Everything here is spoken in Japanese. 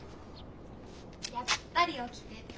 やっぱり起きてた。